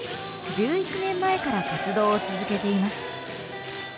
１１年前から活動を続けています。